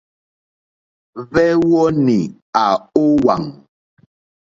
Hwɛ́wɔ́nì à ówàŋ.